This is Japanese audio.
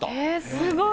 すごい。